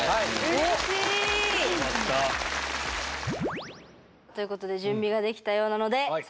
うれしい！ということで準備ができたようなので早速お願いします！